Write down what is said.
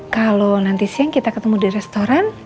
kalau nanti siang kita ketemu di restoran